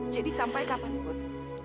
jadi sampai kapanpun